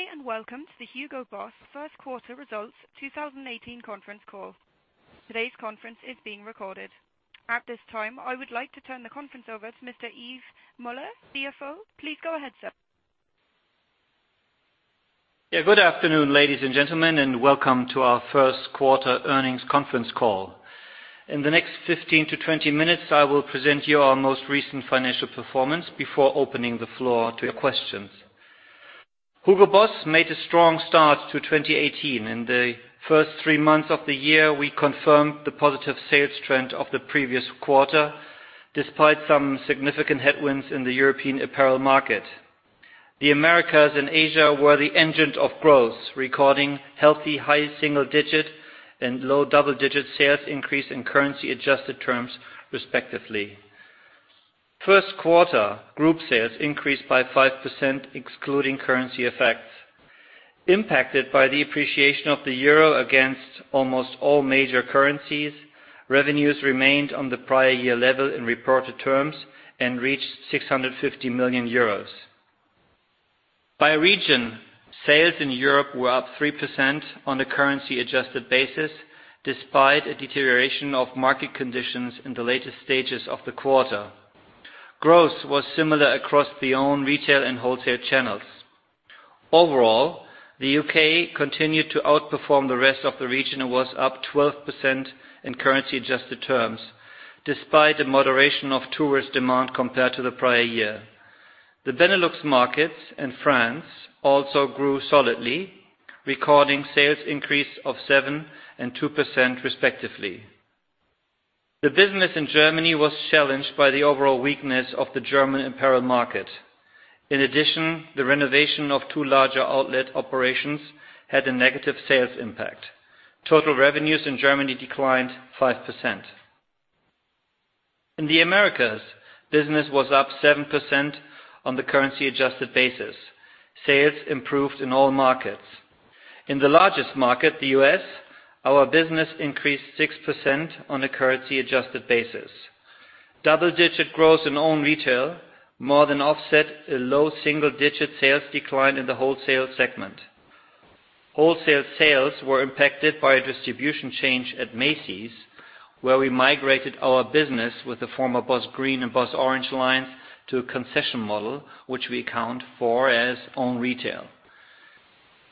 Good day, welcome to the HUGO BOSS first quarter results 2018 conference call. Today's conference is being recorded. At this time, I would like to turn the conference over to Mr. Yves Müller, CFO. Please go ahead, sir. Good afternoon, ladies and gentlemen, welcome to our first quarter earnings conference call. In the next 15-20 minutes, I will present you our most recent financial performance before opening the floor to your questions. HUGO BOSS made a strong start to 2018. In the first three months of the year, we confirmed the positive sales trend of the previous quarter, despite some significant headwinds in the European apparel market. The Americas and Asia were the engines of growth, recording healthy high single-digit and low double-digit sales increase in currency adjusted terms, respectively. First quarter, group sales increased by 5%, excluding currency effects. Impacted by the appreciation of the EUR against almost all major currencies, revenues remained on the prior year level in reported terms and reached 650 million euros. By region, sales in Europe were up 3% on a currency adjusted basis, despite a deterioration of market conditions in the latest stages of the quarter. Growth was similar across the own retail and wholesale channels. Overall, the U.K. continued to outperform the rest of the region and was up 12% in currency adjusted terms, despite the moderation of tourist demand compared to the prior year. The Benelux markets and France also grew solidly, recording sales increase of 7% and 2% respectively. The business in Germany was challenged by the overall weakness of the German apparel market. In addition, the renovation of two larger outlet operations had a negative sales impact. Total revenues in Germany declined 5%. In the Americas, business was up 7% on a currency adjusted basis. Sales improved in all markets. In the largest market, the U.S., our business increased 6% on a currency adjusted basis. Double-digit growth in own retail more than offset a low single-digit sales decline in the wholesale segment. Wholesale sales were impacted by a distribution change at Macy's, where we migrated our business with the former BOSS Green and BOSS Orange lines to a concession model, which we account for as own retail.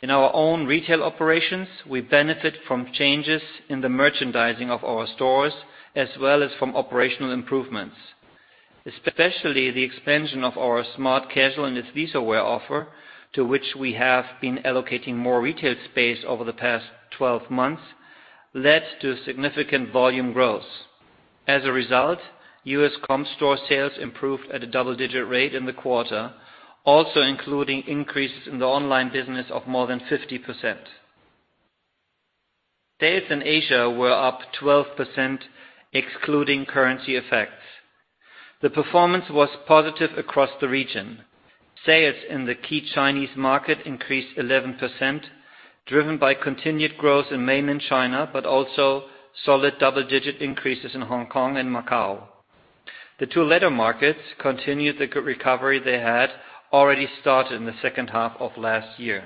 In our own retail operations, we benefit from changes in the merchandising of our stores as well as from operational improvements. Especially the expansion of our smart casual and athleisure wear offer, to which we have been allocating more retail space over the past 12 months, led to significant volume growth. As a result, U.S. comp store sales improved at a double-digit rate in the quarter, also including increases in the online business of more than 50%. Sales in Asia were up 12%, excluding currency effects. Sales in the key Chinese market increased 11%, driven by continued growth in mainland China, but also solid double-digit increases in Hong Kong and Macau. The two latter markets continued the recovery they had already started in the second half of last year.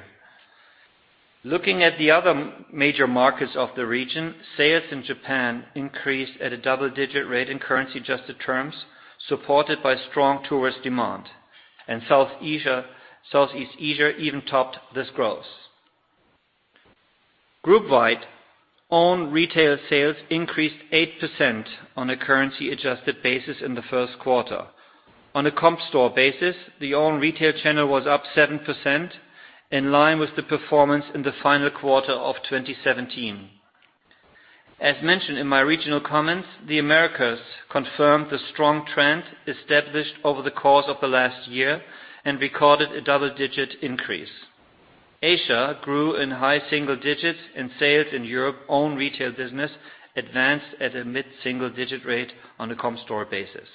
Looking at the other major markets of the region, sales in Japan increased at a double-digit rate in currency adjusted terms, supported by strong tourist demand, and Southeast Asia even topped this growth. Group wide, own retail sales increased 8% on a currency adjusted basis in the first quarter. On a comp store basis, the own retail channel was up 7%, in line with the performance in the final quarter of 2017. As mentioned in my regional comments, the Americas confirmed the strong trend established over the course of the last year and recorded a double-digit increase. Asia grew in high single digits. Sales in Europe own retail business advanced at a mid-single digit rate on a comp store basis.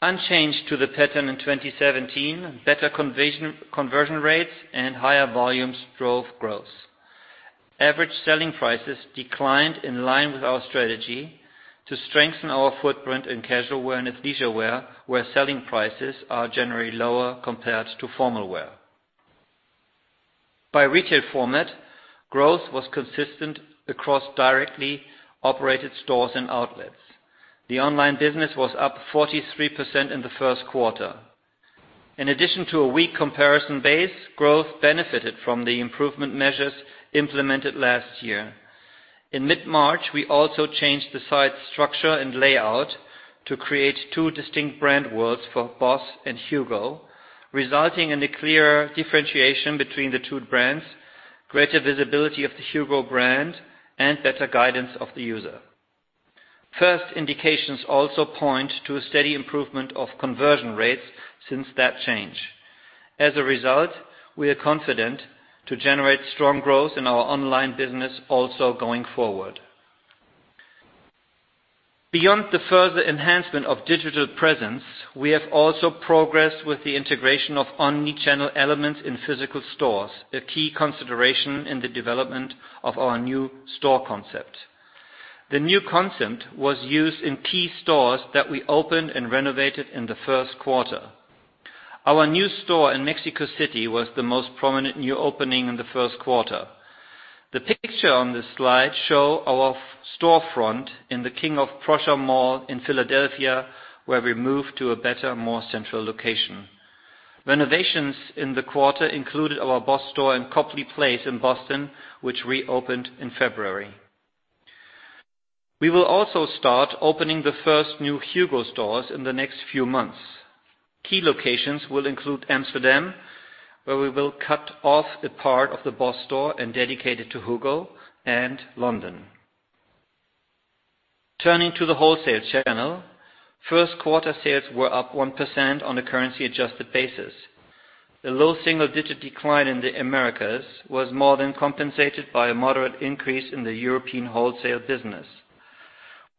Unchanged to the pattern in 2017, better conversion rates and higher volumes drove growth. Average selling prices declined in line with our strategy to strengthen our footprint in casual wear and athleisure wear, where selling prices are generally lower compared to formal wear. By retail format, growth was consistent across directly operated stores and outlets. The online business was up 43% in the first quarter. In addition to a weak comparison base, growth benefited from the improvement measures implemented last year. In mid-March, we also changed the site structure and layout to create two distinct brand worlds for BOSS and HUGO, resulting in a clearer differentiation between the two brands, greater visibility of the HUGO brand, and better guidance of the user. First indications also point to a steady improvement of conversion rates since that change. As a result, we are confident to generate strong growth in our online business also going forward. Beyond the further enhancement of digital presence, we have also progressed with the integration of omni-channel elements in physical stores, a key consideration in the development of our new store concept. The new concept was used in key stores that we opened and renovated in the first quarter. Our new store in Mexico City was the most prominent new opening in the first quarter. The picture on this slide show our storefront in the King of Prussia Mall in Philadelphia, where we moved to a better, more central location. Renovations in the quarter included our BOSS store in Copley Place in Boston, which reopened in February. We will also start opening the first new HUGO stores in the next few months. Key locations will include Amsterdam, where we will cut off a part of the BOSS store and dedicate it to HUGO, and London. Turning to the wholesale channel, first quarter sales were up 1% on a currency adjusted basis. A low single-digit decline in the Americas was more than compensated by a moderate increase in the European wholesale business.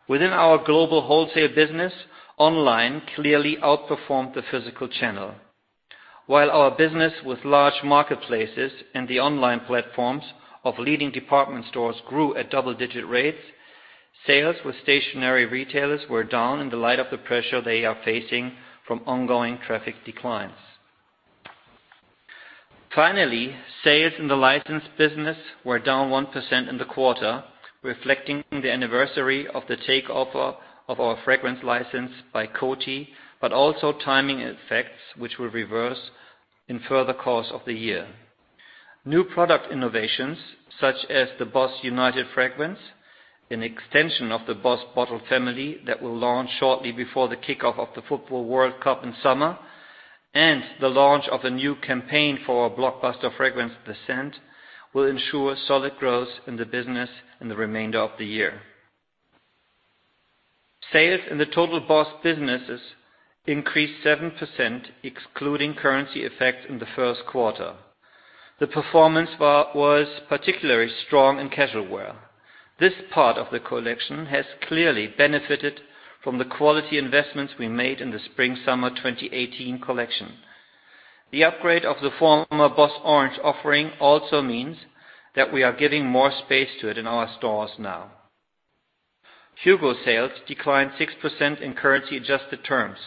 Within our global wholesale business, online clearly outperformed the physical channel. While our business with large marketplaces and the online platforms of leading department stores grew at double-digit rates, sales with stationary retailers were down in the light of the pressure they are facing from ongoing traffic declines. Finally, sales in the licensed business were down 1% in the quarter, reflecting the anniversary of the takeoff of our fragrance license by Coty. Also timing effects, which will reverse in further course of the year. New product innovations, such as the BOSS United fragrance, an extension of the BOSS bottle family that will launch shortly before the kickoff of the football World Cup in summer, and the launch of a new campaign for our blockbuster fragrance, The Scent, will ensure solid growth in the business in the remainder of the year. Sales in the total BOSS businesses increased 7%, excluding currency effect in the first quarter. The performance was particularly strong in casual wear. This part of the collection has clearly benefited from the quality investments we made in the spring-summer 2018 collection. The upgrade of the former BOSS Orange offering also means that we are giving more space to it in our stores now. HUGO sales declined 6% in currency-adjusted terms.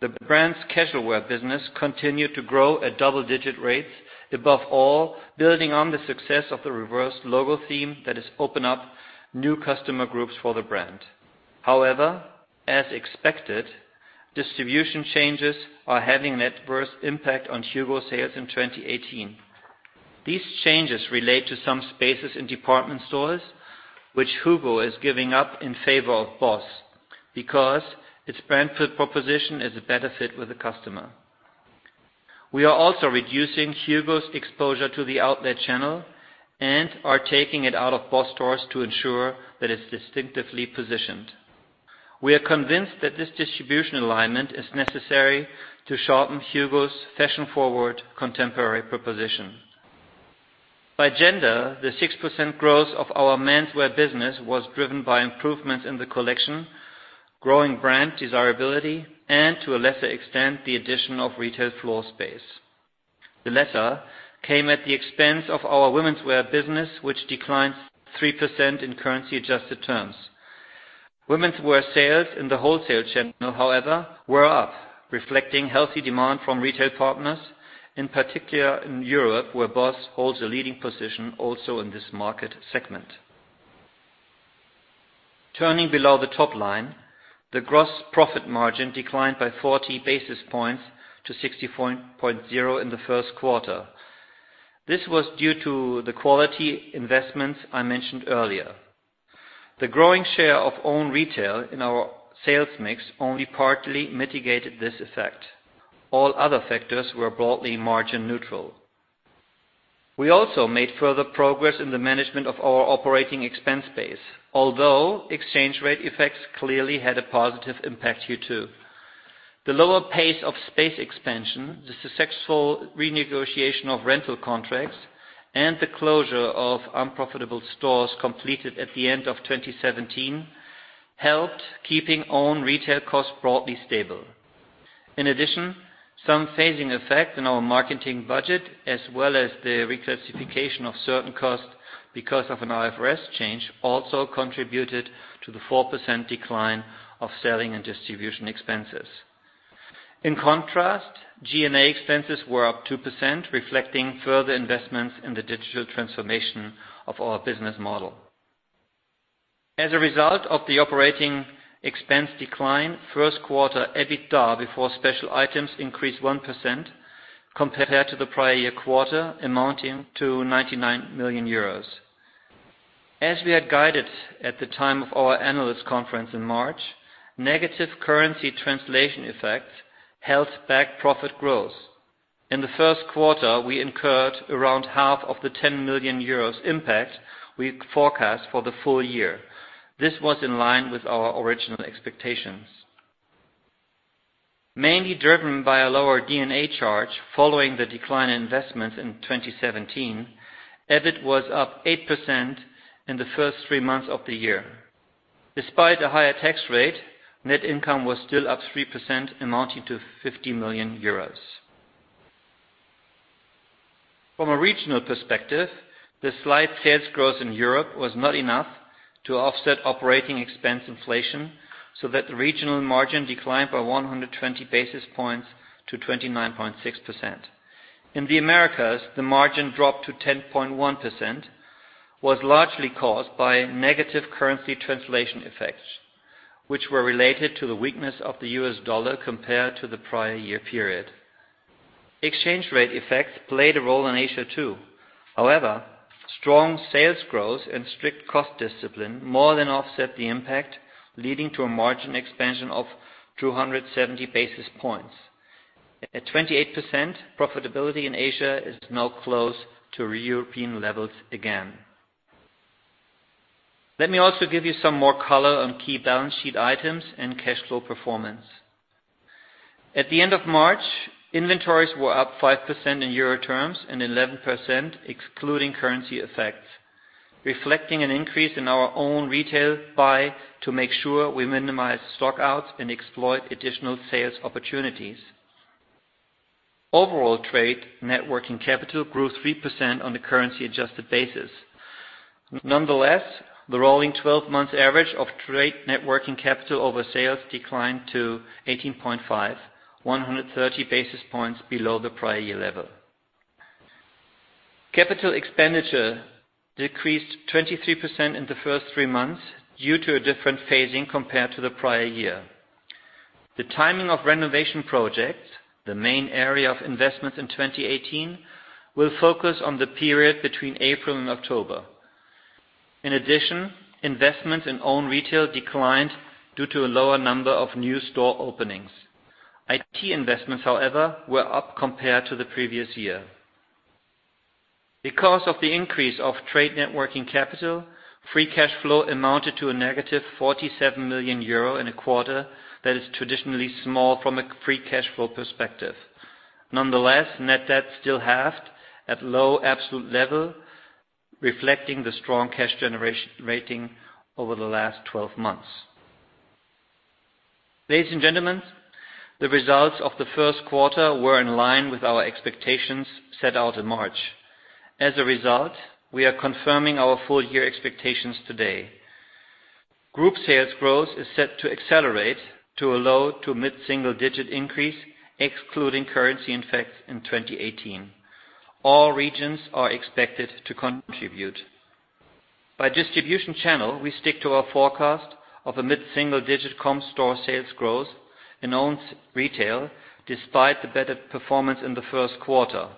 The brand's casual wear business continued to grow at double-digit rates above all, building on the success of the reverse logo theme that has opened up new customer groups for the brand. As expected, distribution changes are having a adverse impact on HUGO sales in 2018. These changes relate to some spaces in department stores which HUGO is giving up in favor of BOSS because its brand fit proposition is a better fit with the customer. We are also reducing HUGO's exposure to the outlet channel and are taking it out of BOSS stores to ensure that it's distinctively positioned. We are convinced that this distribution alignment is necessary to sharpen HUGO's fashion-forward contemporary proposition. By gender, the 6% growth of our menswear business was driven by improvements in the collection, growing brand desirability, and to a lesser extent, the addition of retail floor space. The latter came at the expense of our womenswear business, which declined 3% in currency-adjusted terms. Womenswear sales in the wholesale channel were up, reflecting healthy demand from retail partners, in particular in Europe, where BOSS holds a leading position also in this market segment. Turning below the top line, the gross profit margin declined by 40 basis points to 64.0% in the first quarter. This was due to the quality investments I mentioned earlier. The growing share of own retail in our sales mix only partly mitigated this effect. All other factors were broadly margin neutral. We also made further progress in the management of our operating expense base. Exchange rate effects clearly had a positive impact here, too. The lower pace of space expansion, the successful renegotiation of rental contracts, and the closure of unprofitable stores completed at the end of 2017 helped keeping own retail costs broadly stable. In addition, some phasing effect in our marketing budget, as well as the reclassification of certain costs because of an IFRS change, also contributed to the 4% decline of selling and distribution expenses. G&A expenses were up 2%, reflecting further investments in the digital transformation of our business model. As a result of the operating expense decline, first quarter EBITDA before special items increased 1% compared to the prior year quarter, amounting to 99 million euros. As we had guided at the time of our analyst conference in March, negative currency translation effects held back profit growth. In the first quarter, we incurred around half of the 10 million euros impact we forecast for the full year. This was in line with our original expectations. Mainly driven by a lower D&A charge following the decline in investments in 2017, EBIT was up 8% in the first three months of the year. Despite a higher tax rate, net income was still up 3%, amounting to 50 million euros. From a regional perspective, the slight sales growth in Europe was not enough to offset operating expense inflation so that the regional margin declined by 120 basis points to 29.6%. In the Americas, the margin drop to 10.1% was largely caused by negative currency translation effects, which were related to the weakness of the US dollar compared to the prior year period. Exchange rate effects played a role in Asia too. Strong sales growth and strict cost discipline more than offset the impact, leading to a margin expansion of 270 basis points. At 28%, profitability in Asia is now close to European levels again. Let me also give you some more color on key balance sheet items and cash flow performance. At the end of March, inventories were up 5% in EUR terms and 11% excluding currency effects, reflecting an increase in our own retail buy to make sure we minimize stock-outs and exploit additional sales opportunities. Overall trade net working capital grew 3% on the currency adjusted basis. The rolling 12 months average of trade net working capital over sales declined to 18.5%, 130 basis points below the prior year level. Capital expenditure decreased 23% in the first three months due to a different phasing compared to the prior year. The timing of renovation projects, the main area of investment in 2018, will focus on the period between April and October. In addition, investments in own retail declined due to a lower number of new store openings. IT investments, however, were up compared to the previous year. Because of the increase of trade net working capital, free cash flow amounted to a negative 47 million euro in a quarter that is traditionally small from a free cash flow perspective. Net debt still halved at low absolute level, reflecting the strong cash generating over the last 12 months. Ladies and gentlemen, the results of the first quarter were in line with our expectations set out in March. As a result, we are confirming our full year expectations today. Group sales growth is set to accelerate to a low to mid-single-digit increase, excluding currency impact in 2018. All regions are expected to contribute. By distribution channel, we stick to our forecast of a mid-single-digit comp store sales growth in own retail, despite the better performance in the first quarter.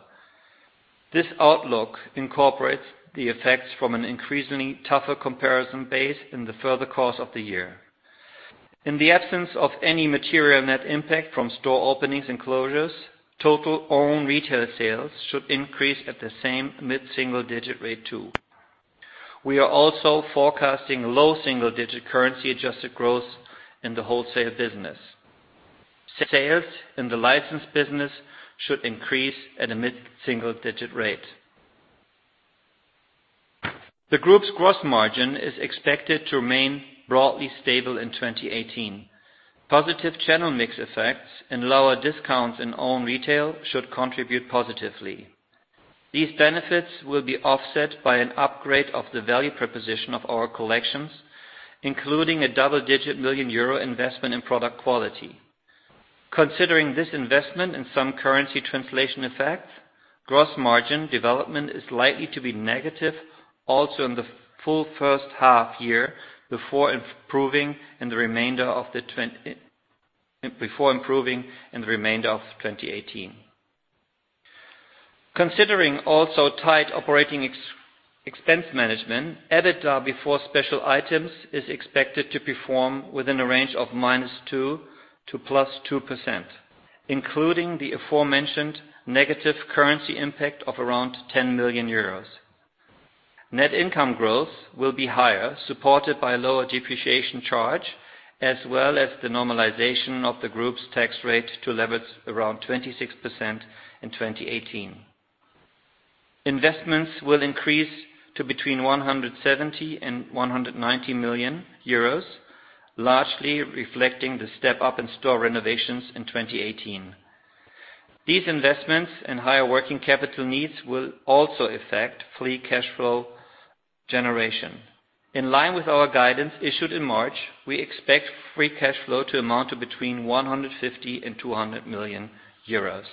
This outlook incorporates the effects from an increasingly tougher comparison base in the further course of the year. In the absence of any material net impact from store openings and closures, total own retail sales should increase at the same mid-single-digit rate too. We are also forecasting low single-digit currency adjusted growth in the wholesale business. Sales in the license business should increase at a mid-single-digit rate. The group's gross margin is expected to remain broadly stable in 2018. Positive channel mix effects and lower discounts in own retail should contribute positively. These benefits will be offset by an upgrade of the value proposition of our collections, including a double-digit million EUR investment in product quality. Considering this investment in some currency translation effects, gross margin development is likely to be negative also in the full first half year before improving in the remainder of 2018. Considering also tight operating expense management, EBITDA before special items is expected to perform within a range of -2% to +2%, including the aforementioned negative currency impact of around 10 million euros. Net income growth will be higher, supported by a lower depreciation charge, as well as the normalization of the group's tax rate to levels around 26% in 2018. Investments will increase to between 170 million and 190 million euros, largely reflecting the step up in store renovations in 2018. These investments and higher working capital needs will also affect free cash flow generation. In line with our guidance issued in March, we expect free cash flow to amount to between 150 million and 200 million euros.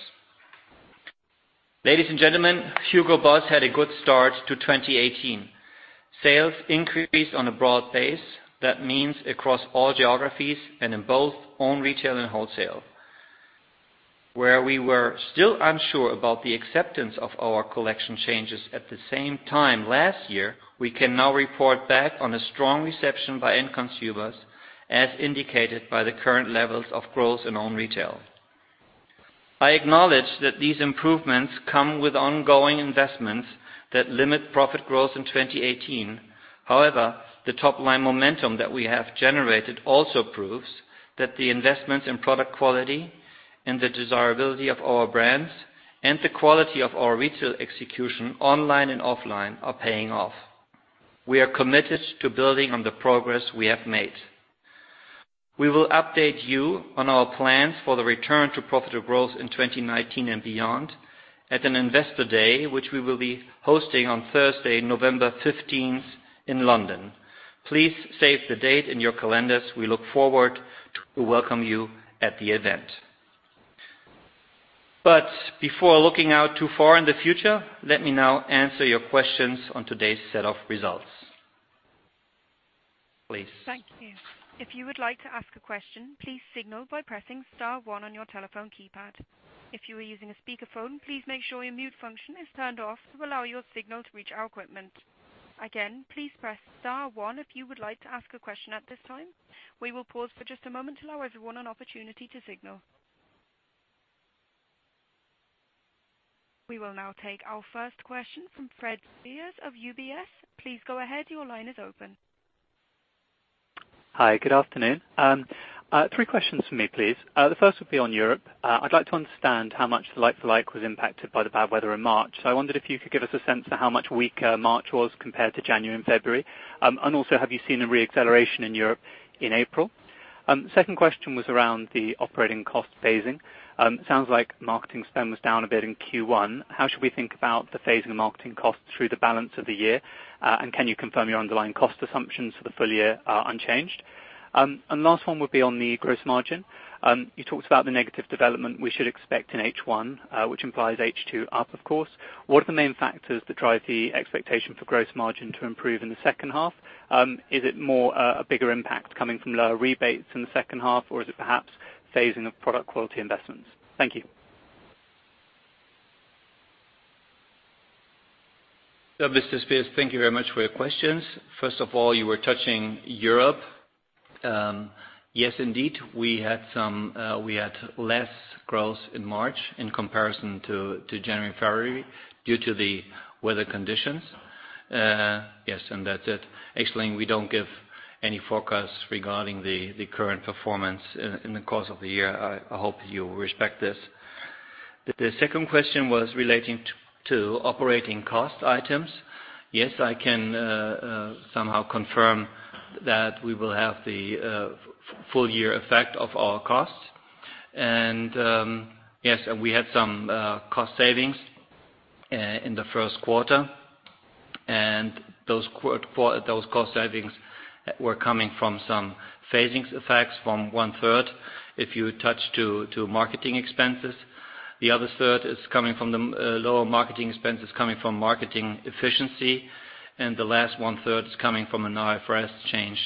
Ladies and gentlemen, HUGO BOSS had a good start to 2018. Sales increased on a broad base. That means across all geographies and in both own retail and wholesale. Where we were still unsure about the acceptance of our collection changes at the same time last year, we can now report back on a strong reception by end consumers, as indicated by the current levels of growth in own retail. I acknowledge that these improvements come with ongoing investments that limit profit growth in 2018. The top-line momentum that we have generated also proves that the investments in product quality and the desirability of our brands and the quality of our retail execution online and offline are paying off. We are committed to building on the progress we have made. We will update you on our plans for the return to profitable growth in 2019 and beyond at an investor day, which we will be hosting on Thursday, November 15th in London. Please save the date in your calendars. We look forward to welcome you at the event. Before looking out too far in the future, let me now answer your questions on today's set of results. Please. Thank you. If you would like to ask a question, please signal by pressing star one on your telephone keypad. If you are using a speakerphone, please make sure your mute function is turned off to allow your signal to reach our equipment. Again, please press star one if you would like to ask a question at this time. We will pause for just a moment to allow everyone an opportunity to signal. We will now take our first question from Fred Speirs of UBS. Please go ahead. Your line is open. Hi, good afternoon. 3 questions for me, please. The first would be on Europe. I'd like to understand how much like-for-like was impacted by the bad weather in March. I wondered if you could give us a sense for how much weaker March was compared to January and February. Have you seen a re-acceleration in Europe in April? Second question was around the operating cost phasing. It sounds like marketing spend was down a bit in Q1. How should we think about the phasing of marketing costs through the balance of the year? Can you confirm your underlying cost assumptions for the full year are unchanged? Last 1 would be on the gross margin. You talked about the negative development we should expect in H1, which implies H2 up, of course. What are the main factors that drive the expectation for gross margin to improve in the second half? Is it more a bigger impact coming from lower rebates in the second half, or is it perhaps phasing of product quality investments? Thank you. Mr. Speirs, thank you very much for your questions. First of all, you were touching Europe. Yes, indeed, we had less growth in March in comparison to January, February due to the weather conditions. Yes, that's it. Actually, we don't give any forecasts regarding the current performance in the course of the year. I hope you respect this. The second question was relating to operating cost items. Yes, I can somehow confirm that we will have the full year effect of our costs. Yes, we had some cost savings in the first quarter, and those cost savings were coming from some phasing effects from 1/3, if you touch to marketing expenses. The other 1/3 is coming from the lower marketing expenses coming from marketing efficiency, and the last 1/3 is coming from an IFRS change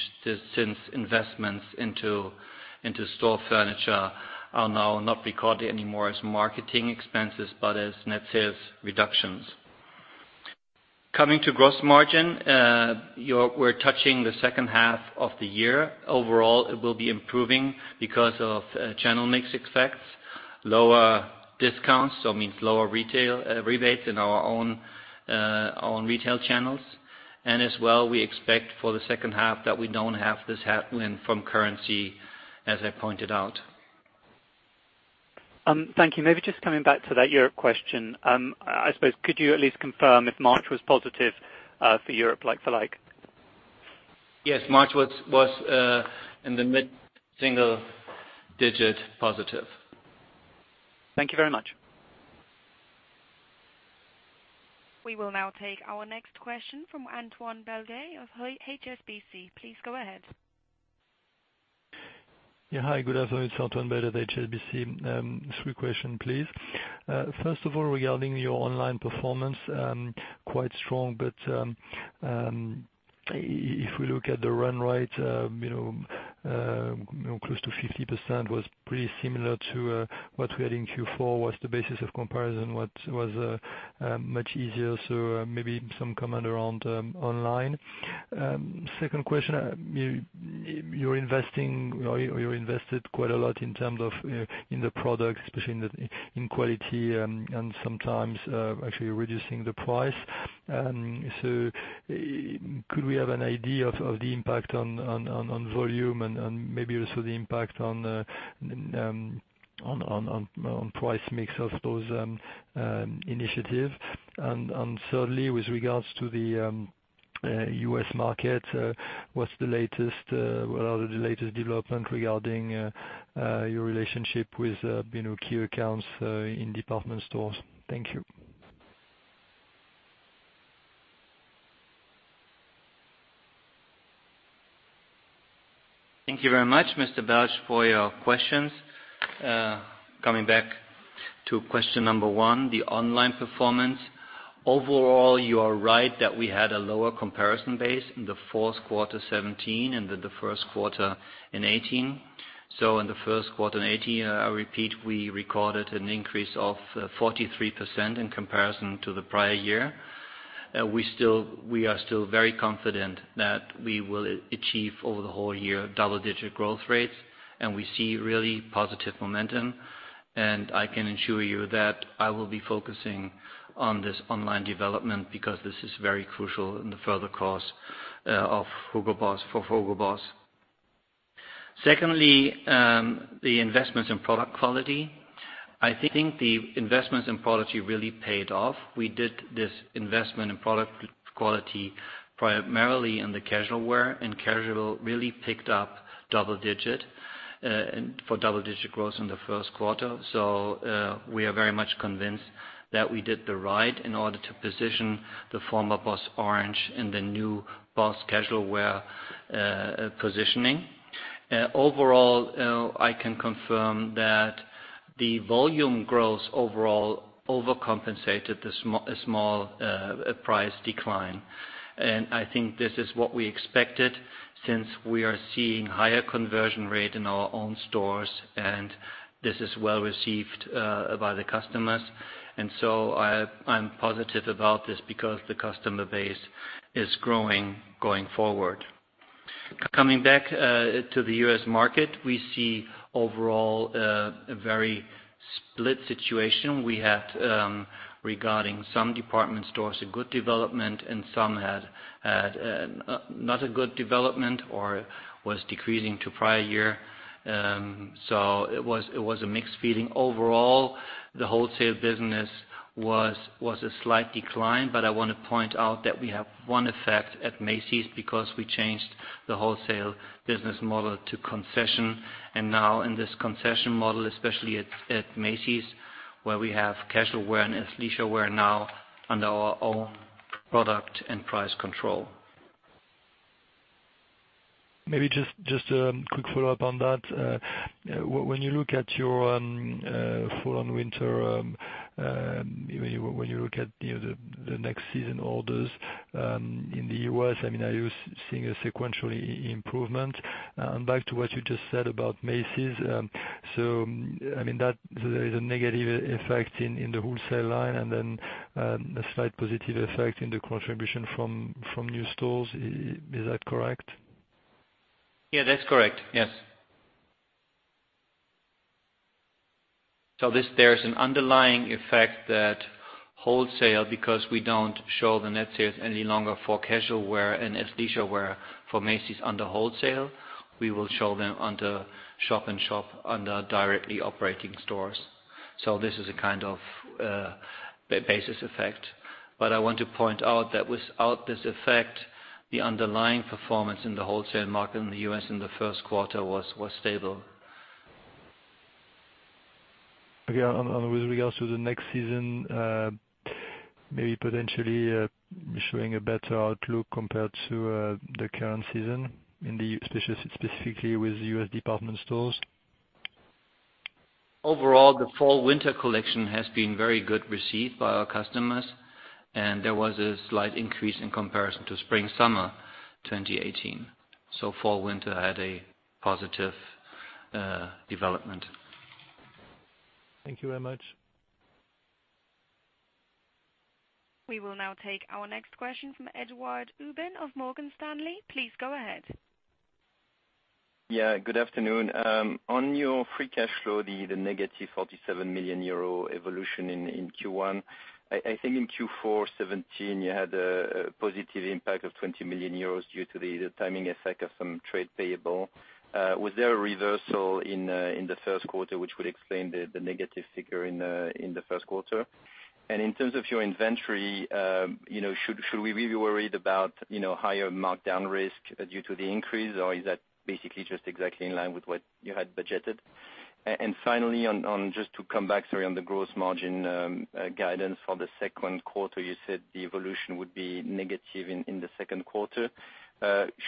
since investments into store furniture are now not recorded anymore as marketing expenses, but as net sales reductions. Coming to gross margin, we're touching the second half of the year. Overall, it will be improving because of channel mix effects, lower discounts, means lower rebates in our own retail channels. We expect for the second half that we don't have this headwind from currency, as I pointed out. Thank you. Maybe just coming back to that Europe question. I suppose, could you at least confirm if March was positive for Europe like-for-like? Yes, March was in the mid-single digit positive. Thank you very much. We will now take our next question from Antoine Belge of HSBC. Please go ahead. Good afternoon. Antoine Belge at HSBC. Three questions, please. First of all, regarding your online performance, quite strong, but if we look at the run rate, close to 50% was pretty similar to what we had in Q4, was the basis of comparison, what was much easier. Maybe some comment around online. Second question, you invested quite a lot in terms of in the products, especially in quality and sometimes actually reducing the price. Could we have an idea of the impact on volume and maybe also the impact on price mix of those initiatives? Thirdly, with regards to the U.S. market, what are the latest development regarding your relationship with key accounts in department stores? Thank you. Thank you very much, Mr. Belge, for your questions. Coming back to question number 1, the online performance. Overall, you are right that we had a lower comparison base in the fourth quarter 2017 and in the first quarter 2018. In the first quarter 2018, I repeat, we recorded an increase of 43% in comparison to the prior year. We are still very confident that we will achieve over the whole year double-digit growth rates, and we see really positive momentum. I can assure you that I will be focusing on this online development because this is very crucial in the further course for HUGO BOSS. Secondly, the investments in product quality. I think the investments in quality really paid off. We did this investment in product quality primarily in the casual wear, and casual really picked up for double-digit growth in the first quarter. We are very much convinced that we did the right in order to position the former BOSS Orange in the new BOSS casual wear positioning. Overall, I can confirm that the volume growth overall overcompensated the small price decline. I think this is what we expected since we are seeing higher conversion rate in our own stores, and this is well received by the customers. I'm positive about this because the customer base is growing, going forward. Coming back to the U.S. market, we see overall a very split situation. We had, regarding some department stores, a good development, and some had not a good development or was decreasing to prior year. It was a mixed feeling. Overall, the wholesale business was a slight decline, but I want to point out that we have one effect at Macy's because we changed the wholesale business model to concession. Now in this concession model, especially at Macy's, where we have casual wear and athleisure wear now under our own product and price control. Maybe just a quick follow-up on that. When you look at your fall and winter, when you look at the next season orders in the U.S., are you seeing a sequential improvement? Back to what you just said about Macy's, there is a negative effect in the wholesale line and then a slight positive effect in the contribution from new stores. Is that correct? Yeah, that's correct. Yes. There's an underlying effect that wholesale, because we don't show the net sales any longer for casual wear and athleisure wear for Macy's under wholesale. We will show them under shop-in-shop under directly operated stores. This is a kind of basis effect. I want to point out that without this effect, the underlying performance in the wholesale market in the U.S. in the first quarter was stable. Okay. With regards to the next season, maybe potentially showing a better outlook compared to the current season, specifically with U.S. department stores. Overall, the fall/winter collection has been very good received by our customers, there was a slight increase in comparison to spring/summer 2018. Fall/winter had a positive development. Thank you very much. We will now take our next question from Edouard Aubin of Morgan Stanley. Please go ahead. Good afternoon. On your free cash flow, the negative 47 million euro evolution in Q1, I think in Q4 2017, you had a positive impact of 20 million euros due to the timing effect of some trade payable. Was there a reversal in the first quarter which would explain the negative figure in the first quarter? In terms of your inventory, should we be worried about higher markdown risk due to the increase, or is that basically just exactly in line with what you had budgeted? Finally, just to come back, sorry, on the gross margin guidance for the second quarter, you said the evolution would be negative in the second quarter.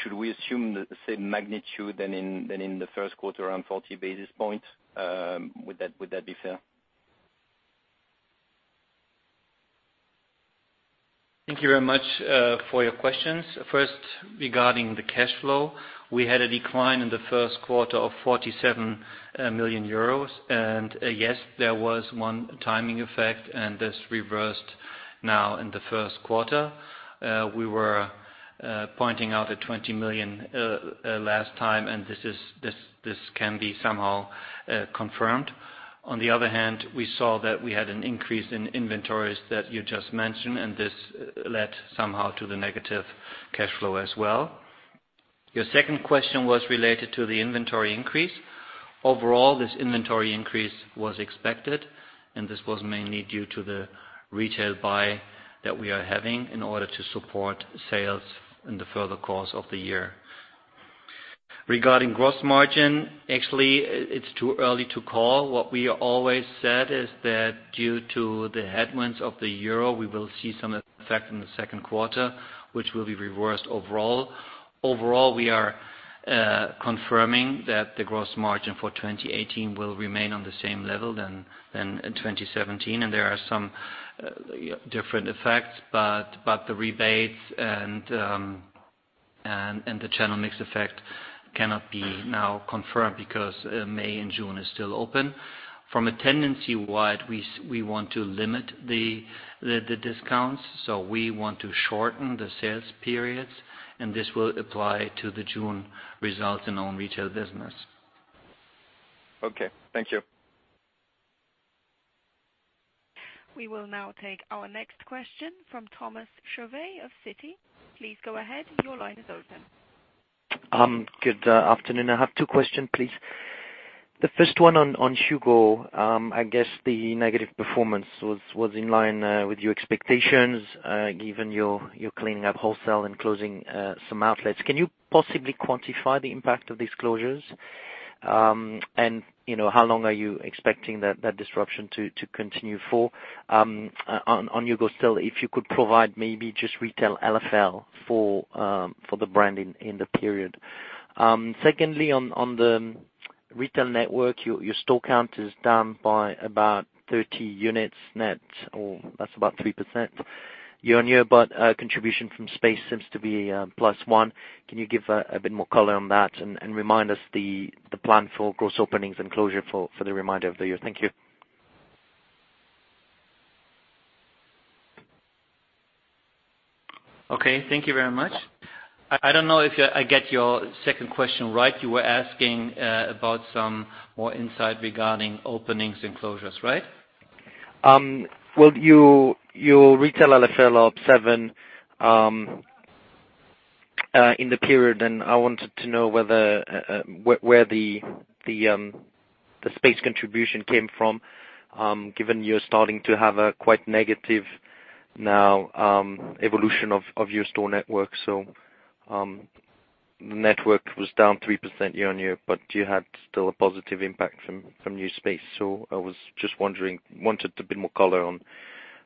Should we assume the same magnitude than in the first quarter, around 40 basis points? Would that be fair? Thank you very much for your questions. First, regarding the cash flow, we had a decline in the first quarter of 47 million euros. Yes, there was one timing effect, and this reversed now in the first quarter. We were pointing out a 20 million last time, and this can be somehow confirmed. On the other hand, we saw that we had an increase in inventories that you just mentioned, and this led somehow to the negative cash flow as well. Your second question was related to the inventory increase. Overall, this inventory increase was expected, and this was mainly due to the retail buy that we are having in order to support sales in the further course of the year. Regarding gross margin, actually, it's too early to call. What we always said is that due to the headwinds of the euro, we will see some effect in the second quarter, which will be reversed overall. Overall, we are confirming that the gross margin for 2018 will remain on the same level than in 2017, and there are some different effects, but the rebates and the channel mix effect cannot be now confirmed because May and June is still open. From a tendency wide, we want to limit the discounts, so we want to shorten the sales periods, and this will apply to the June results in own retail business. Okay. Thank you. We will now take our next question from Thomas Chauvet of Citi. Please go ahead. Your line is open. Good afternoon. I have two question, please. The first one on HUGO. I guess the negative performance was in line with your expectations, given you're cleaning up wholesale and closing some outlets. Can you possibly quantify the impact of these closures? How long are you expecting that disruption to continue for? On HUGO still, if you could provide maybe just retail LFL for the brand in the period. Secondly, on the retail network, your store count is down by about 30 units net or that's about 3% year-on-year, but contribution from space seems to be plus one. Can you give a bit more color on that and remind us the plan for gross openings and closure for the remainder of the year? Thank you. Okay. Thank you very much. I don't know if I get your second question right. You were asking about some more insight regarding openings and closures, right? Well, your retail LFL up 7% in the period. I wanted to know where the space contribution came from, given you're starting to have a quite negative now evolution of your store network. The network was down 3% year-on-year, but you had still a positive impact from new space. I was just wondering, wanted a bit more color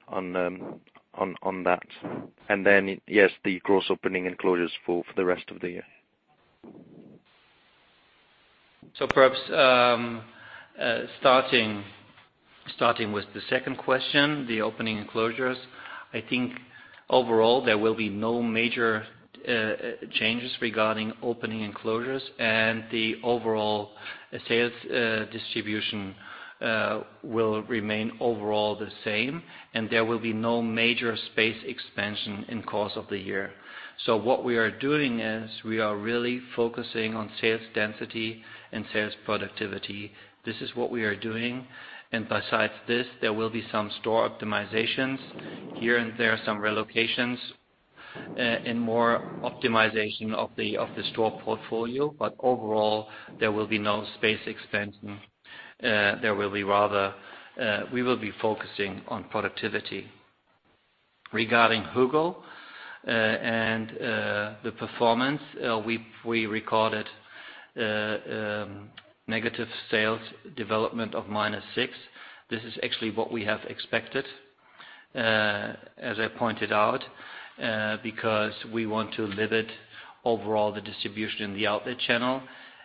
on that. Then yes, the gross opening and closures for the rest of the year. Perhaps starting with the second question, the opening and closures. I think overall, there will be no major changes regarding opening and closures, the overall sales distribution will remain overall the same, there will be no major space expansion in course of the year. What we are doing is we are really focusing on sales density and sales productivity. This is what we are doing, besides this, there will be some store optimizations here and there, some relocations and more optimization of the store portfolio. Overall, there will be no space expansion. There will be rather, we will be focusing on productivity. Regarding HUGO and the performance, we recorded negative sales development of minus 6%. This is actually what we have expected, as I pointed out, because we want to limit overall the distribution in the outlet channel.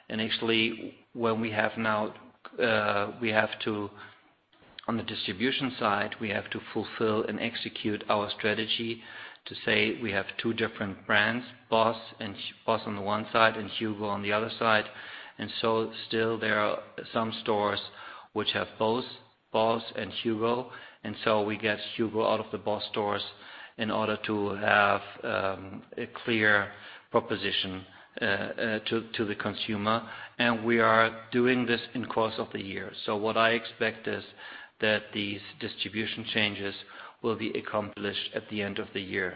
Actually, when we have to, on the distribution side, we have to fulfill and execute our strategy to say we have two different brands, BOSS on the one side and HUGO on the other side. Still there are some stores which have both BOSS and HUGO, we get HUGO out of the BOSS stores in order to have a clear proposition to the consumer. We are doing this in course of the year. What I expect is that these distribution changes will be accomplished at the end of the year.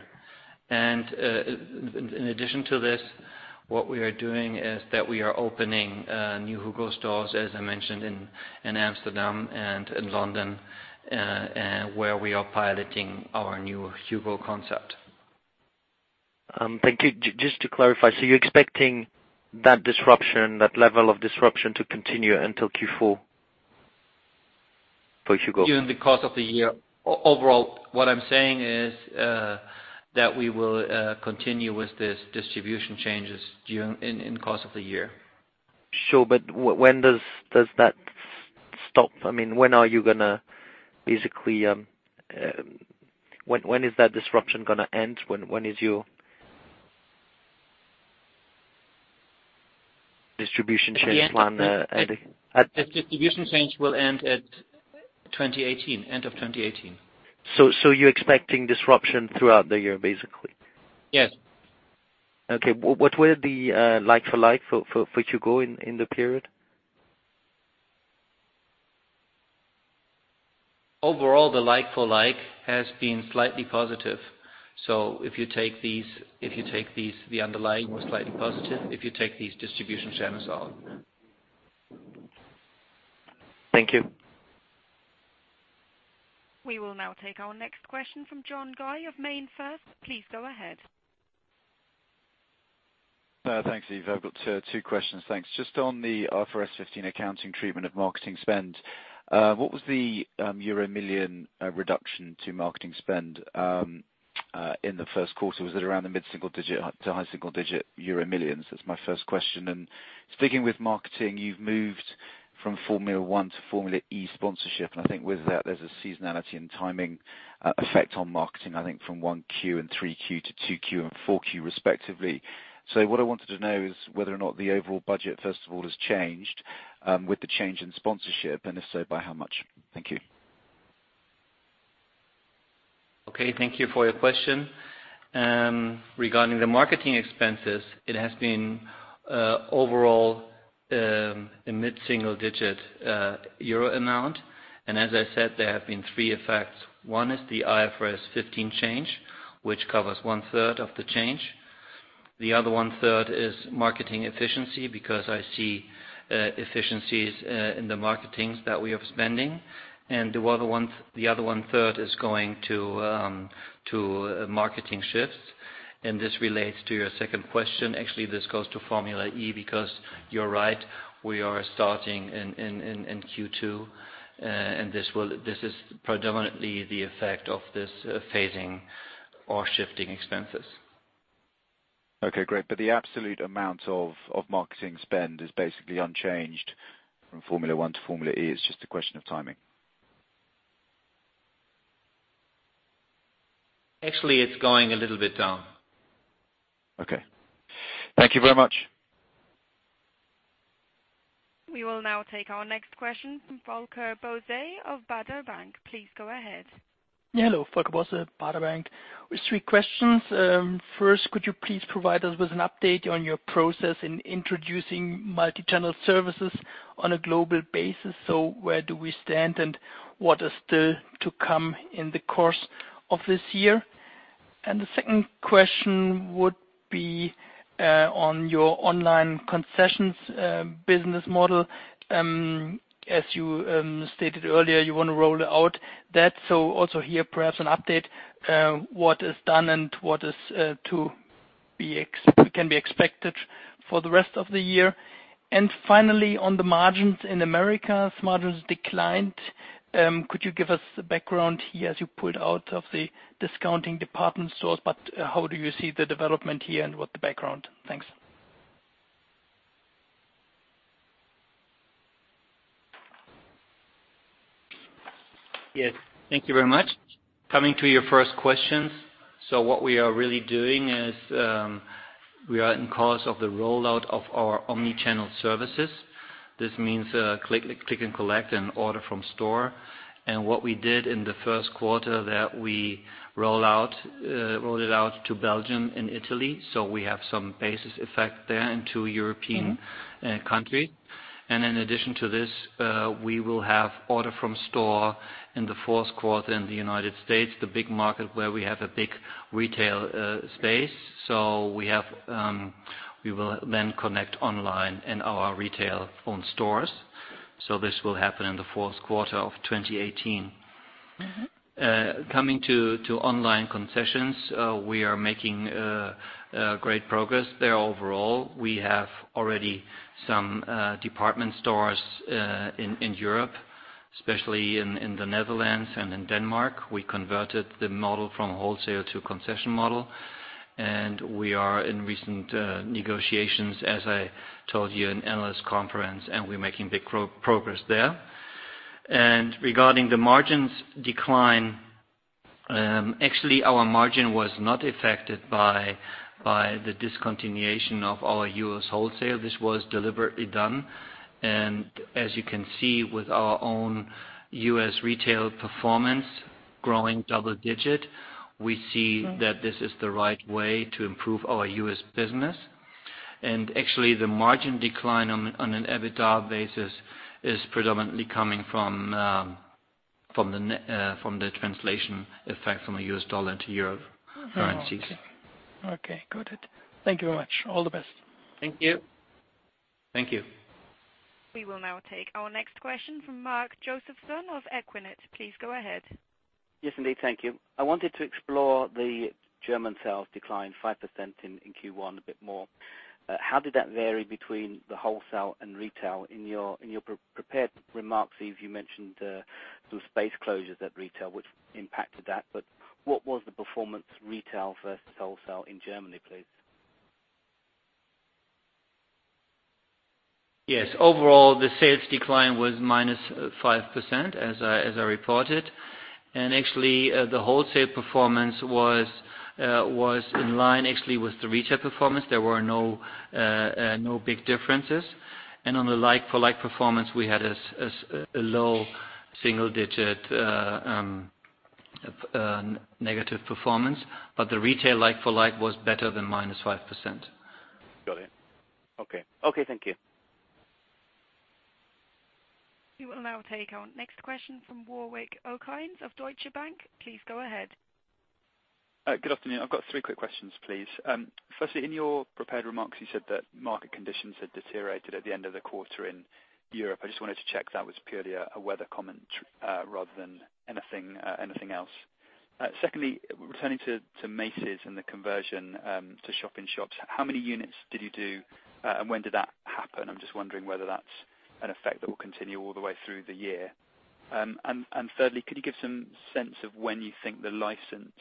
In addition to this, what we are doing is that we are opening new HUGO stores, as I mentioned, in Amsterdam and in London, where we are piloting our new HUGO concept. Thank you. Just to clarify, you're expecting that disruption, that level of disruption to continue until Q4 for HUGO? During the course of the year. Overall, what I'm saying is that we will continue with these distribution changes during in course of the year. Sure. When does that stop? When are you going to when is that disruption going to end? When is your distribution change plan ending? The distribution change will end at 2018, end of 2018. You're expecting disruption throughout the year, basically? Yes. Okay. What were the like-for-like for HUGO in the period? Overall, the like-for-like has been slightly positive. If you take these, the underlying was slightly positive, if you take these distribution changes out. Thank you. We will now take our next question from John Guy of MainFirst. Please go ahead. Thanks, Yves. I've got two questions, thanks. Just on the IFRS 15 accounting treatment of marketing spend. What was the euro million reduction to marketing spend in the first quarter? Was it around the mid-single-digit to high-single-digit euro millions? That's my first question. Sticking with marketing, you've moved from Formula One to Formula E sponsorship, and I think with that, there's a seasonality and timing effect on marketing, I think from Q1 and Q3 to Q2 and Q4, respectively. What I wanted to know is whether or not the overall budget, first of all, has changed with the change in sponsorship, and if so, by how much? Thank you. Okay, thank you for your question. Regarding the marketing expenses, it has been overall a mid-single-digit EUR amount. As I said, there have been three effects. One is the IFRS 15 change, which covers one-third of the change. The other one-third is marketing efficiency because I see efficiencies in the marketings that we are spending. The other one-third is going to marketing shifts. This relates to your second question. Actually, this goes to Formula E because you're right, we are starting in Q2. This is predominantly the effect of this phasing or shifting expenses. Okay, great. The absolute amount of marketing spend is basically unchanged from Formula One to Formula E, it's just a question of timing. Actually, it's going a little bit down. Okay. Thank you very much. We will now take our next question from Volker Bosse of Baader Bank. Please go ahead. Hello. Volker Bosse, Baader Bank. Three questions. First, could you please provide us with an update on your process in introducing multi-channel services on a global basis? Where do we stand, and what is still to come in the course of this year? The second question would be on your online concessions business model. As you stated earlier, you want to roll out that. Also here, perhaps an update, what is done and what can be expected for the rest of the year. Finally, on the margins in Americas, margins declined. Could you give us a background here as you pulled out of the discounting department stores, how do you see the development here and what the background? Thanks. Yes, thank you very much. Coming to your first questions. What we are really doing is, we are in course of the rollout of our omni-channel services. This means click and collect and order from store. What we did in the first quarter that we rolled it out to Belgium and Italy. We have some basis effect there in two European countries. In addition to this, we will have order from store in the fourth quarter in the United States, the big market where we have a big retail space. We will then connect online and our retail own stores. This will happen in the fourth quarter of 2018. Coming to online concessions, we are making great progress there overall. We have already some department stores in Europe, especially in the Netherlands and in Denmark. We converted the model from wholesale to concession model. We are in recent negotiations, as I told you in analyst conference, and we are making big progress there. Regarding the margins decline, actually, our margin was not affected by the discontinuation of our U.S. wholesale. This was deliberately done. As you can see with our own U.S. retail performance growing double digit, we see that this is the right way to improve our U.S. business. Actually, the margin decline on an EBITDA basis is predominantly coming from the translation effect from the US dollar to EUR currencies. Okay. Got it. Thank you very much. All the best. Thank you. We will now take our next question from Mark Josefson of Equinet. Please go ahead. Yes, indeed. Thank you. I wanted to explore the German sales decline 5% in Q1 a bit more. How did that vary between the wholesale and retail? In your prepared remarks, you mentioned some space closures at retail, which impacted that, but what was the performance retail versus wholesale in Germany, please? Yes. Overall, the sales decline was -5%, as I reported. Actually, the wholesale performance was in line actually with the retail performance. There were no big differences. On the like-for-like performance, we had a low single-digit negative performance, but the retail like-for-like was better than -5%. Got it. Okay. Thank you. We will now take our next question from Warwick Okines of Deutsche Bank. Please go ahead. Good afternoon. I've got three quick questions, please. Firstly, in your prepared remarks, you said that market conditions had deteriorated at the end of the quarter in Europe. I just wanted to check that was purely a weather comment rather than anything else. Secondly, returning to Macy's and the conversion to shop-in-shops, how many units did you do, and when did that happen? I'm just wondering whether that's an effect that will continue all the way through the year. Thirdly, could you give some sense of when you think the license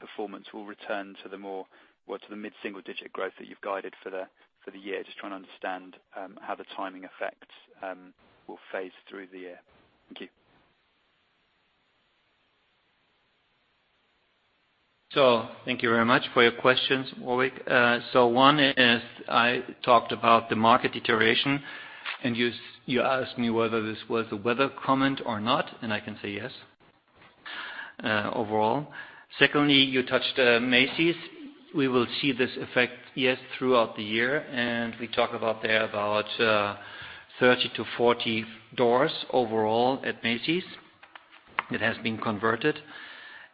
performance will return to the mid-single-digit growth that you've guided for the year? Just trying to understand how the timing effects will phase through the year. Thank you. Thank you very much for your questions, Warwick. One is, I talked about the market deterioration and you asked me whether this was a weather comment or not, and I can say yes, overall. Secondly, you touched Macy's. We will see this effect, yes, throughout the year, and we talk about there about 30 to 40 doors overall at Macy's. It has been converted.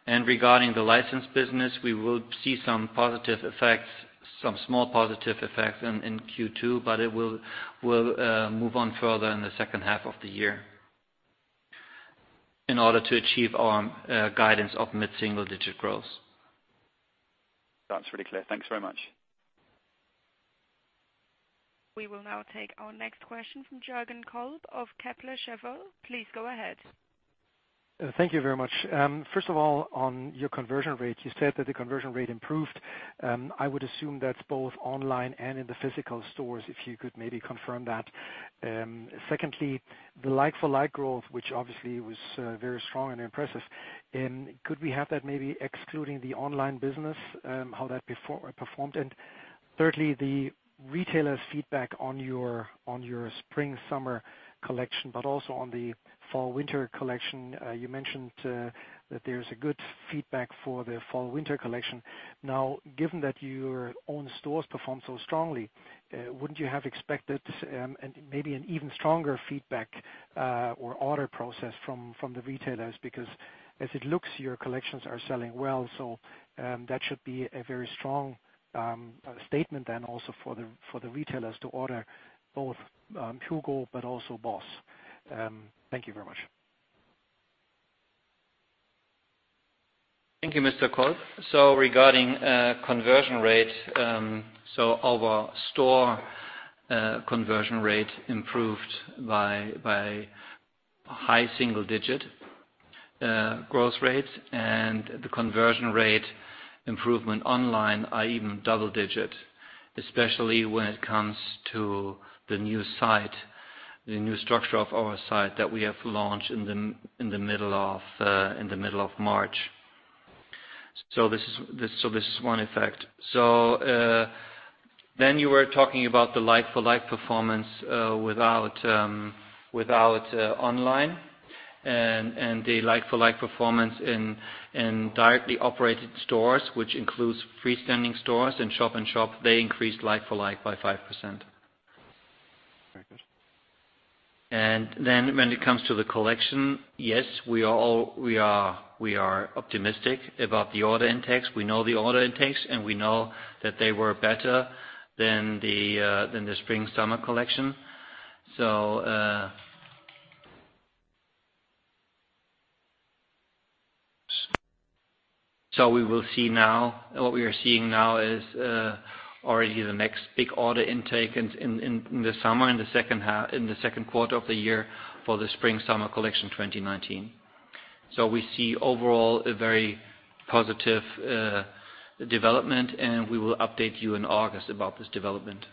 Regarding the licensed business, we will see some small positive effects in Q2, but it will move on further in the second half of the year in order to achieve our guidance of mid-single digit growth. That's really clear. Thanks very much. We will now take our next question from Jürgen Kolb of Kepler Cheuvreux. Please go ahead. Thank you very much. First of all, on your conversion rate, you said that the conversion rate improved. I would assume that's both online and in the physical stores, if you could maybe confirm that. Secondly, the like-for-like growth, which obviously was very strong and impressive. Could we have that maybe excluding the online business, how that performed? Thirdly, the retailers' feedback on your spring-summer collection, but also on the fall-winter collection. You mentioned that there's a good feedback for the fall-winter collection. Now, given that your own stores perform so strongly, wouldn't you have expected maybe an even stronger feedback or order process from the retailers? Because as it looks, your collections are selling well, so that should be a very strong statement then also for the retailers to order both HUGO but also BOSS. Thank you very much. Thank you, Mr. Kolb. Regarding conversion rate, our store conversion rate improved by high single digit growth rates and the conversion rate improvement online are even double digit, especially when it comes to the new structure of our site that we have launched in the middle of March. This is one effect. You were talking about the like-for-like performance without online and the like-for-like performance in directly operated stores, which includes freestanding stores and shop-in-shop, they increased like-for-like by 5%. Very good. When it comes to the collection, yes, we are optimistic about the order intakes. We know the order intakes. We know that they were better than the spring-summer collection. What we are seeing now is already the next big order intake in the summer, in the second quarter of the year for the spring-summer collection 2019. We see overall a very positive development. We will update you in August about this development.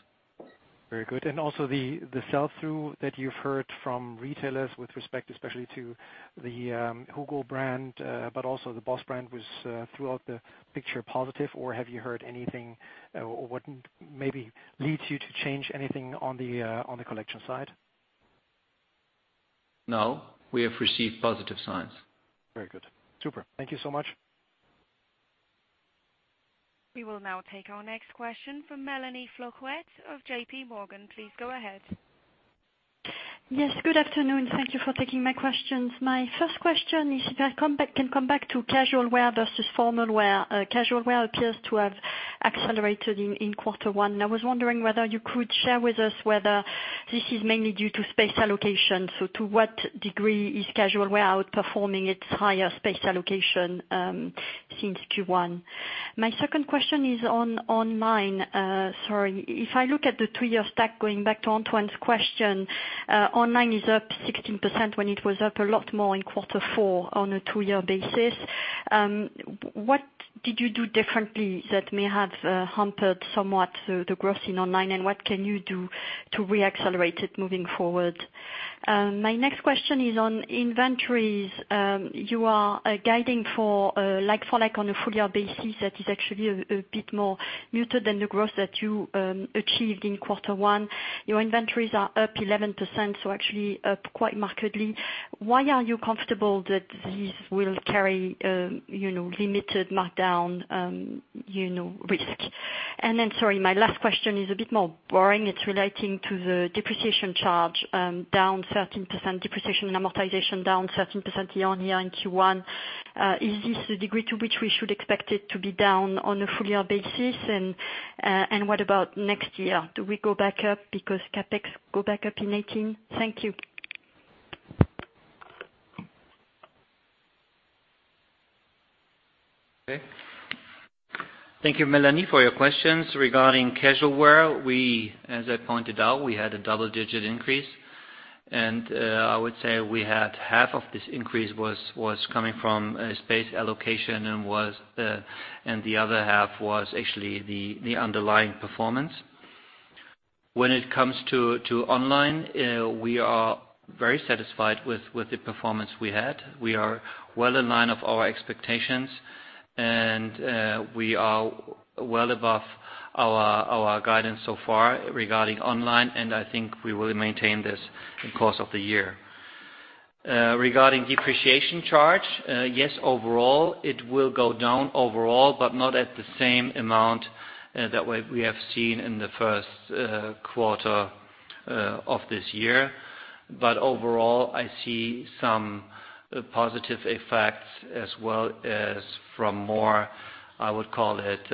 Very good. Also the sell-through that you've heard from retailers with respect especially to the HUGO brand, but also the BOSS brand was throughout the picture positive, or have you heard anything or what maybe leads you to change anything on the collection side? No. We have received positive signs. Very good. Super. Thank you so much. We will now take our next question from Mélanie Flouquet of JP Morgan. Please go ahead. Yes, good afternoon. Thank you for taking my questions. My first question is, if I can come back to casual wear versus formal wear. Casual wear appears to have accelerated in quarter one, and I was wondering whether you could share with us whether this is mainly due to space allocation. To what degree is casual wear outperforming its higher space allocation since Q1? My second question is on online. Sorry. If I look at the two-year stack going back to Antoine's question, online is up 16% when it was up a lot more in quarter four on a two-year basis. What did you do differently that may have hampered somewhat the growth in online, and what can you do to re-accelerate it moving forward? My next question is on inventories. You are guiding for like-for-like on a full year basis. That is actually a bit more muted than the growth that you achieved in quarter one. Your inventories are up 11%, so actually up quite markedly. Why are you comfortable that this will carry limited markdown risk? Sorry, my last question is a bit more boring. It's relating to the depreciation charge down 13%, depreciation and amortization down 13% year-on-year in Q1. Is this the degree to which we should expect it to be down on a full year basis? What about next year? Do we go back up because CapEx go back up in 2018? Thank you. Okay. Thank you, Mélanie, for your questions. Regarding casual wear, as I pointed out, we had a double-digit increase. I would say we had half of this increase was coming from space allocation and the other half was actually the underlying performance. When it comes to online, we are very satisfied with the performance we had. We are well in line of our expectations, and we are well above our guidance so far regarding online, and I think we will maintain this in course of the year. Regarding depreciation charge, yes, it will go down overall, but not at the same amount that we have seen in the first quarter of this year. Overall, I see some positive effects as well as from more, I would call it,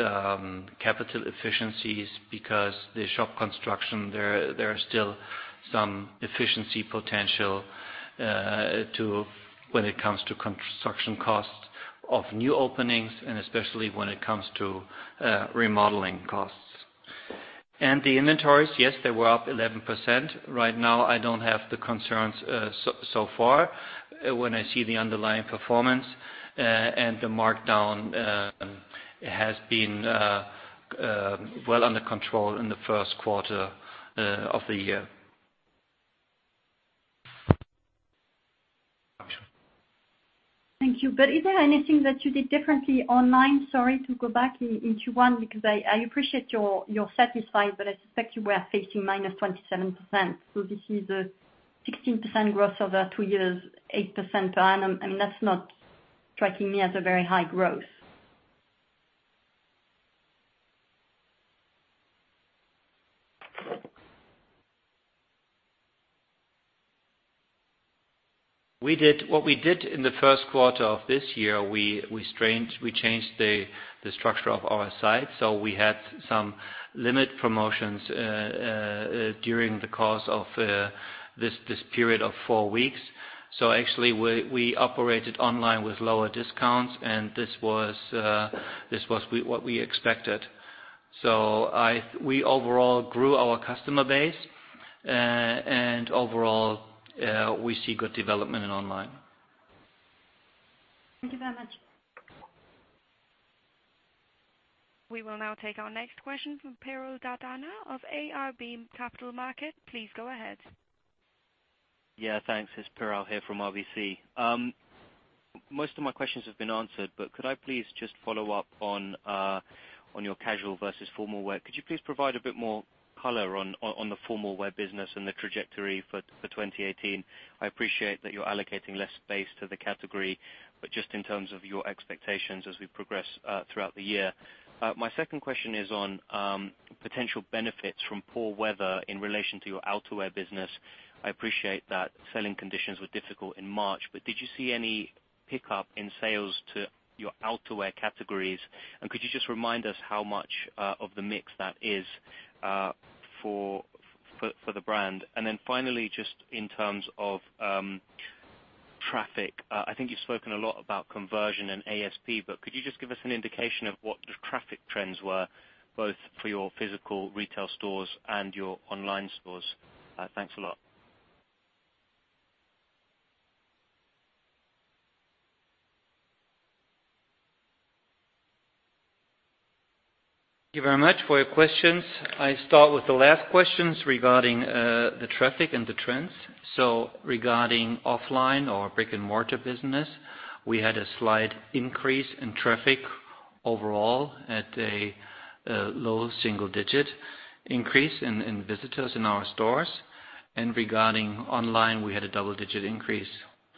capital efficiencies because the shop construction, there are still some efficiency potential when it comes to construction costs of new openings and especially when it comes to remodeling costs. The inventories, yes, they were up 11%. Right now, I don't have the concerns so far when I see the underlying performance and the markdown has been well under control in the first quarter of the year. Thank you. Is there anything that you did differently online? Sorry to go back into one because I appreciate you're satisfied, but I suspect you were facing -27%. This is a 16% growth over two years, 8% per annum. That's not striking me as a very high growth. What we did in the first quarter of this year, we changed the structure of our site. We had some limit promotions during the course of this period of four weeks. Actually, we operated online with lower discounts, and this was what we expected. We overall grew our customer base, and overall, we see good development in online. Thank you very much. We will now take our next question from Piral Dadhania of RBC Capital Markets. Please go ahead. Yeah, thanks. It's Piral here from RBC. Could I please just follow up on your casual versus formal wear. Could you please provide a bit more color on the formal wear business and the trajectory for 2018? I appreciate that you're allocating less space to the category, just in terms of your expectations as we progress throughout the year. My second question is on potential benefits from poor weather in relation to your outerwear business. I appreciate that selling conditions were difficult in March, did you see any pickup in sales to your outerwear categories? Could you just remind us how much of the mix that is for the brand? Finally, just in terms of traffic. I think you've spoken a lot about conversion and ASP, could you just give us an indication of what the traffic trends were both for your physical retail stores and your online stores? Thanks a lot. Thank you very much for your questions. I start with the last questions regarding the traffic and the trends. Regarding offline or brick-and-mortar business, we had a slight increase in traffic overall at a low single-digit increase in visitors in our stores. Regarding online, we had a double-digit increase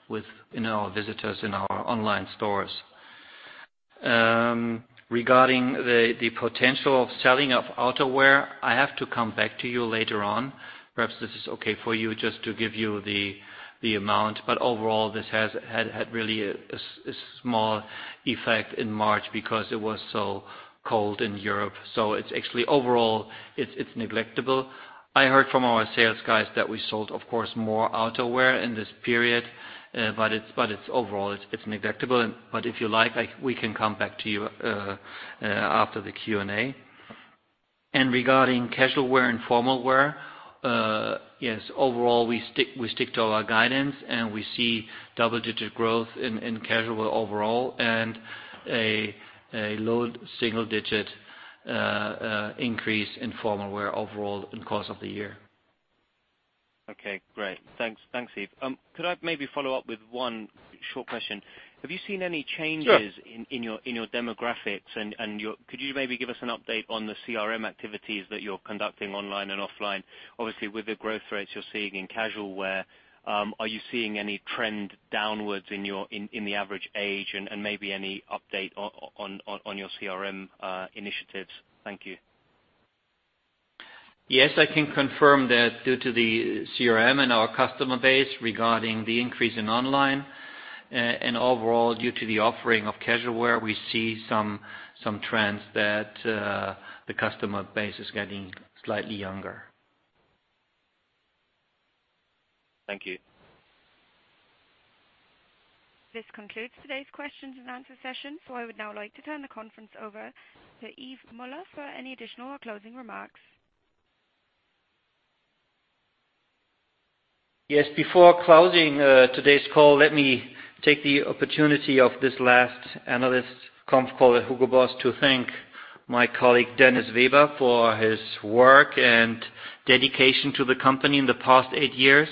with our visitors in our online stores. Regarding the potential of selling of outerwear, I have to come back to you later on. Perhaps this is okay for you just to give you the amount. Overall, this had really a small effect in March because it was so cold in Europe. Actually, overall, it's negligible. I heard from our sales guys that we sold, of course, more outerwear in this period. Overall, it's negligible. If you like, we can come back to you after the Q&A. Regarding casual wear and formal wear, yes, overall, we stick to our guidance, and we see double-digit growth in casual overall and a low single-digit increase in formal wear overall in course of the year. Okay, great. Thanks, Yves. Could I maybe follow up with one short question? Sure. Have you seen any changes in your demographics? Could you maybe give us an update on the CRM activities that you're conducting online and offline? Obviously, with the growth rates you're seeing in casual wear, are you seeing any trend downwards in the average age and maybe any update on your CRM initiatives? Thank you. Yes, I can confirm that due to the CRM and our customer base regarding the increase in online and overall due to the offering of casual wear, we see some trends that the customer base is getting slightly younger. Thank you. This concludes today's questions and answer session. I would now like to turn the conference over to Yves Müller for any additional or closing remarks. Yes. Before closing today's conf call at HUGO BOSS, let me take the opportunity of this last analyst conf call at HUGO BOSS to thank my colleague Dennis Weber for his work and dedication to the company in the past eight years.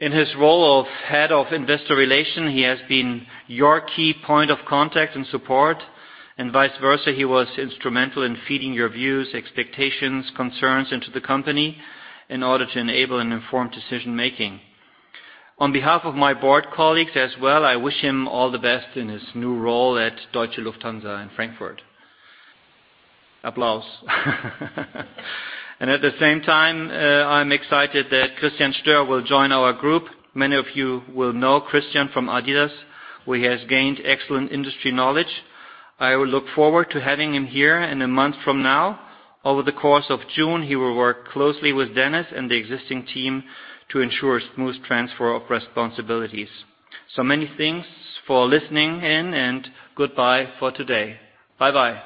In his role of Head of Investor Relations, he has been your key point of contact and support, and vice versa. He was instrumental in feeding your views, expectations, concerns into the company in order to enable an informed decision-making. On behalf of my board colleagues as well, I wish him all the best in his new role at Deutsche Lufthansa in Frankfurt. At the same time, I'm excited that Christian Stöhr will join our group. Many of you will know Christian from Adidas, where he has gained excellent industry knowledge. I look forward to having him here in a month from now. Over the course of June, he will work closely with Dennis and the existing team to ensure a smooth transfer of responsibilities. Many thanks for listening in and goodbye for today. Bye-bye.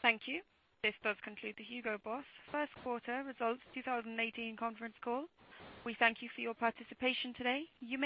Thank you. This does conclude the HUGO BOSS first quarter results 2018 conference call. We thank you for your participation today. You may disconnect.